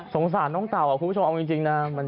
สงสารน้องเต่าคุณผู้ชมเอาจริงนะ